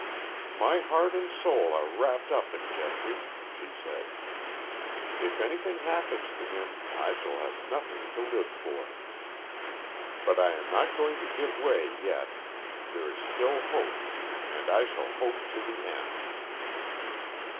"My heart and soul are wrapped up in Geoffrey," she said. "If anything happens to him I shall have nothing to live for. But I am not going to give way yet. There is still hope. And I shall hope to the end."